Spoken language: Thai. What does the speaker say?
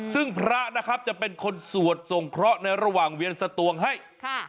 ซึ่งพระนะครับจะเป็นคนสวดส่งเคราะห์ในระหว่างเวียนสตวงให้ค่ะ